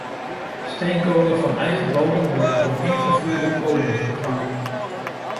Steenkolen van eigen bodem worden door ingevoerde kolen vervangen.